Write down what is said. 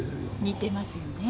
似てますよね。